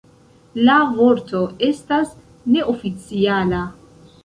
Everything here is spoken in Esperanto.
La vorto estas neoficiala.